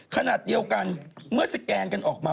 ขณะเดียวกันเมื่อสแกนกันออกมา